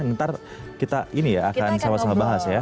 ntar kita ini ya akan sama sama bahas ya